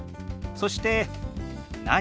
そして「何？」。